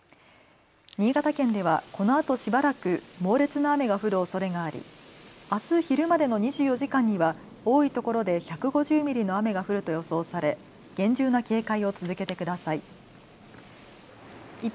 新潟県ではこのあとしばらく猛烈な雨が降るおそれがあり、あす昼までの２４時間には多いところで１５０ミリの雨が降ると予想され厳重な警戒を続けてください。